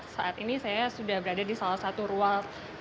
saat ini saya sudah berada di salah satu ruang